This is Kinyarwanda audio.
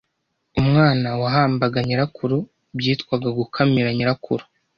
Umwana wahambaga nyirakuru byitwaga gukamira nyirakuru